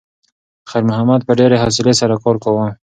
خیر محمد په ډېرې حوصلې سره کار کاوه.